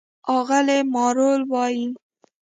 اغلې مارلو وايي: